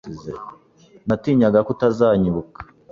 Natinyaga ko utazanyibuka.